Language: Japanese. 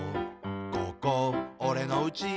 「ここ、おれのうち」